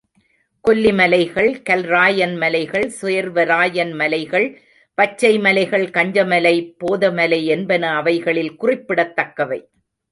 கொல்லி மலைகள், கல்ராயன் மலைகள், சேர்வராயன் மலைகள், பச்சை மலைகள், கஞ்சமலை, போதமலை என்பன அவைகளில் குறிப்பிடத் தக்கவை.